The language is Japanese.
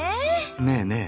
ねえねえ。